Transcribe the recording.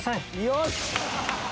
よし！